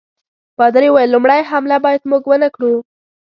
پادري وویل لومړی حمله باید موږ ونه کړو.